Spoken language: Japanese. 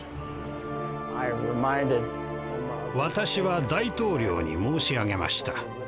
私は大統領に申し上げました。